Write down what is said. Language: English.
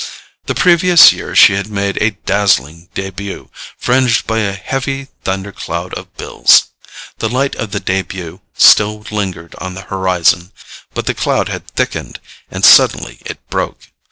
The previous year she had made a dazzling debut fringed by a heavy thunder cloud of bills. The light of the debut still lingered on the horizon, but the cloud had thickened; and suddenly it broke.